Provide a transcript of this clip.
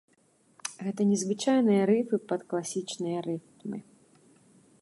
Гэта не звычайныя рыфы пад класічныя рытмы.